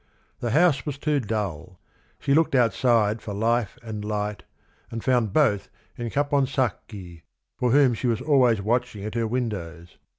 The house was too dull. She looked outside for life and light, and found both in Caponsacchi, for whom she was always watching at her windows.